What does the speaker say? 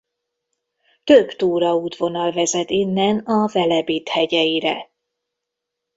Több túraútvonal vezet innen a Velebit hegyeire.